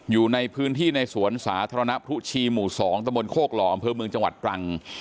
อยู่ในพื้นที่ในสวนสาธารณะพรุชีหมู่๒ตะบนโคกหล่ออำเภอเมืองจังหวัดตรัง